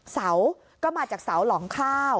เสาก็มาจากเสาหลองข้าว